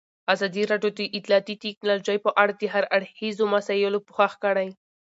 ازادي راډیو د اطلاعاتی تکنالوژي په اړه د هر اړخیزو مسایلو پوښښ کړی.